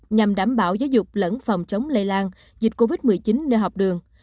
nhằm đảm bảo giáo dục lẫn phòng chống lây lan dịch covid một mươi chín nơi học đường